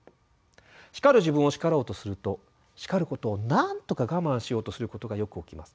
叱る自分を叱ろうとすると叱ることをなんとか我慢しようとすることがよく起きます。